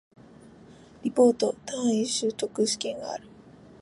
リポート、単位習得試験がある